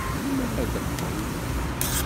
Melmi ara d-teqqel?